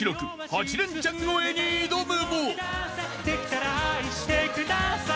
８レンチャン超えに挑むも］